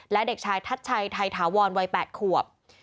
และเด็กชายทัศน์ชัยไทยถาวรวัย๘ขวบ